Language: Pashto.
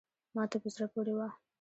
ما ته په زړه پوري وه …